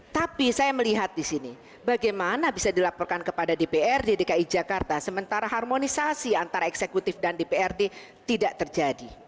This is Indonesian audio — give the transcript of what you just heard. tapi saya melihat di sini bagaimana bisa dilaporkan kepada dprd dki jakarta sementara harmonisasi antara eksekutif dan dprd tidak terjadi